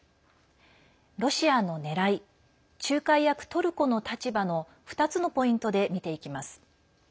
ロシアのねらい仲介役トルコの立場の２つのポイントで見ていきます。